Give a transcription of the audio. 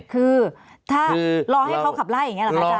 คือถ้ารอให้เขาขับไล่อย่างนี้หรอคะอาจาร